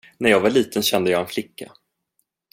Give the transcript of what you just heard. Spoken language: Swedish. När jag var liten kände jag en flicka.